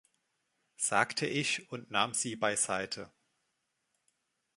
sagte ich, und nahm sie beiseite.